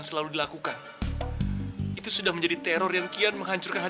sampai jumpa di video selanjutnya